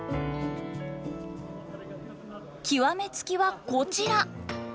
極め付きはこちら！